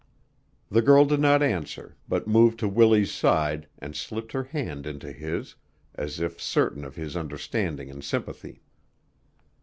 The girl did not answer but moved to Willie's side and slipped her hand into his, as if certain of his understanding and sympathy.